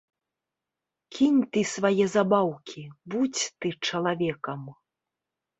Кінь ты свае забаўкі, будзь ты чалавекам!